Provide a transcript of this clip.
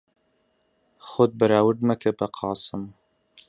خۆت بەراورد مەکە بە قاسم.